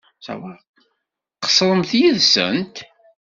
Qeṣṣremt yid-sent.